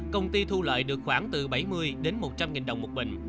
công ty thu lợi được khoảng từ bảy mươi đến một trăm linh nghìn đồng một bình